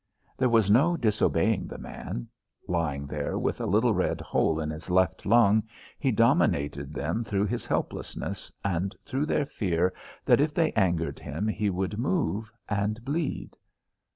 There was no disobeying the man. Lying there with a little red hole in his left lung, he dominated them through his helplessness, and through their fear that if they angered him he would move and bleed.